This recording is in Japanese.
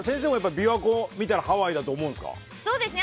先生もやっぱり琵琶湖見たらハワイだと思うんですか？